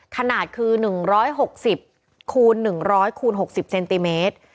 ขนาดคือหนึ่งร้อยหกสิบคูณหนึ่งร้อยคูณหกสิบเซนติเมตร